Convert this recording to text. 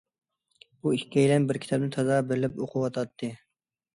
بۇ ئىككىيلەن بىر كىتابنى تازا بېرىلىپ ئوقۇۋاتاتتى.